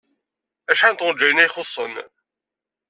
Acḥal n tɣenjayin ay ixuṣṣen?